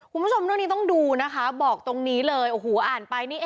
คุณผู้ชมเรื่องนี้ต้องดูนะคะบอกตรงนี้เลยโอ้โหอ่านไปนี่